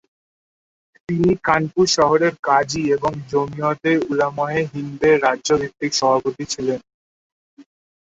তিনি কানপুর শহরের কাজী এবং জমিয়তে উলামায়ে হিন্দের রাজ্য ভিত্তিক সভাপতি ছিলেন।